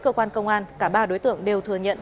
cơ quan công an cả ba đối tượng đều thừa nhận